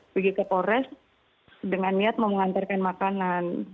pergi ke polres dengan niat mau mengantarkan makanan